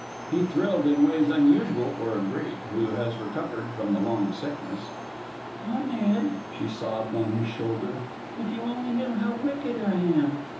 He thrilled in ways unusual for a Greek who has recovered from the long sickness. "Oh, Ned," she sobbed on his shoulder, "if you only knew how wicked I am!"